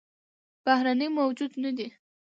بهرنى موجود نه دى